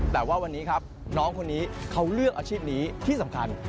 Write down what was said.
แต่ว่าวันนี้ครับน้องคนนี้เขาเลือกอาชีพนี้ที่สำคัญ